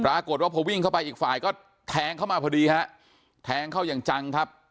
ปรากฏว่าพอวิ่งเข้าไปอีกฝ่ายก็แทงเข้ามาพอดีฮะแทงเข้าอย่างจังครับ